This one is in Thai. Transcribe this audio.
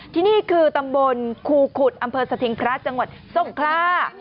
ที่นี่คือตำบลครูขุดอำเภอสถิงพระจังหวัดทรงคล่า